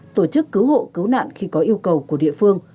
tổ chức cứu hộ cứu nạn khi có yêu cầu của địa phương